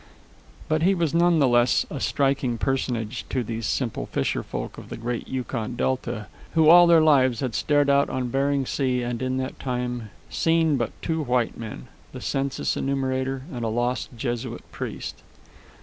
But he was none the less a striking personage to these simple fisherfolk of the great Yukon Delta, who, all their lives, had stared out on Bering Sea and in that time seen but two white men, the census enumerator and a lost Jesuit priest.